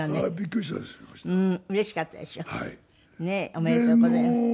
おめでとうございます。